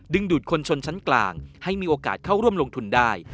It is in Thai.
ดูดคนชนชั้นกลางให้มีโอกาสเข้าร่วมลงทุนได้